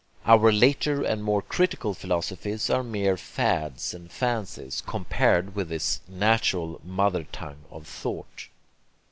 Our later and more critical philosophies are mere fads and fancies compared with this natural mother tongue of thought.